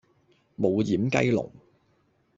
冇厴雞籠